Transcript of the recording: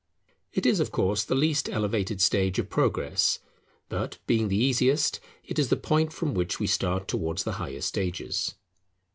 It is of course the least elevated stage of progress; but being the easiest, it is the point from which we start towards the higher stages.